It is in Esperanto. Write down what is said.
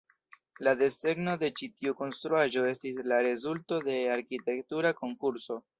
La desegno de ĉi tiu konstruaĵo estis la rezulto de arkitektura konkurso.